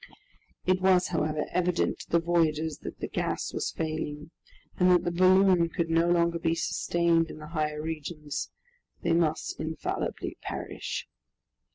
It was, however, evident to the voyagers that the gas was failing, and that the balloon could no longer be sustained in the higher regions. They must infallibly perish!